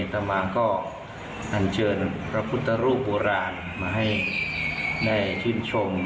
ตามมาก็อันเชิญพระพุทธรูปโบราณมาให้ได้ชื่นชม